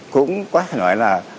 cũng có thể nói là